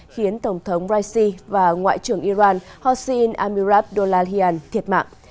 khiến tổng thống raisi và ngoại trưởng iran hossein amirabdollahian thiệt mạng